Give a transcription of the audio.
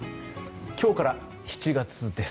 今日から７月です。